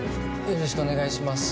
よろしくお願いします。